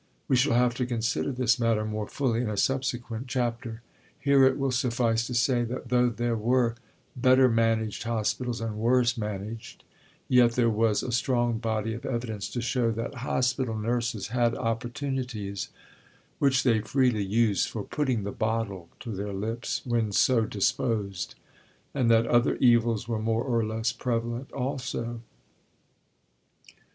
We shall have to consider this matter more fully in a subsequent chapter. Here it will suffice to say that though there were better managed hospitals and worse managed, yet there was a strong body of evidence to show that hospital nurses had opportunities, which they freely used, for putting the bottle to their lips "when so disposed," and that other evils were more or less prevalent also.